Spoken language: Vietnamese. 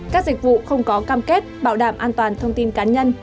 các dịch vụ không có cam kết bảo đảm an toàn thông tin cá nhân